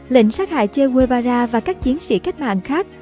lệnh sát hại che guevara và các chiến sĩ cách mạng khác